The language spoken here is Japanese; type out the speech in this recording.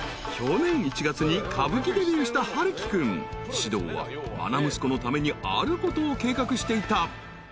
［獅童は愛息子のためにあることを計画していた］